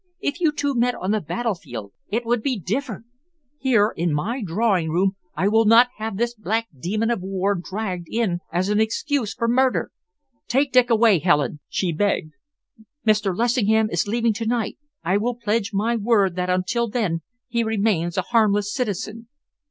If you two met on the battlefield, it would be different. Here in my drawing room, I will not have this black demon of the war dragged in as an excuse for murder! Take Dick away, Helen!" she begged. "Mr. Lessingham is leaving to night. I will pledge my word that until then he remains a harmless citizen."